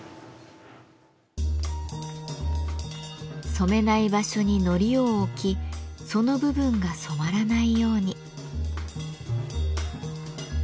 染めない場所に糊を置きその部分が染まらないように。